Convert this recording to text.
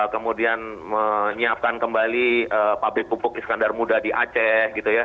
kemudian menyiapkan kembali pabrik pupuk iskandar muda di aceh